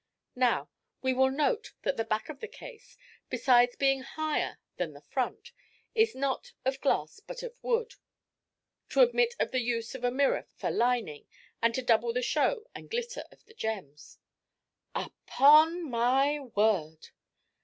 Now, we will note that the back of the case, besides being higher than the front, is not of glass, but of wood, to admit of the use of a mirror for lining, and to double the show and glitter of the gems.' 'Upon my word!'